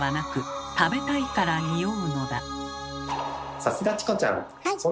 さすがチコちゃん！